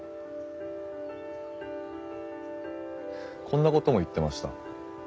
こんなことも言ってました。